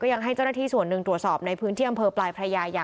ยังให้เจ้าหน้าที่ส่วนหนึ่งตรวจสอบในพื้นที่อำเภอปลายพระยาอย่าง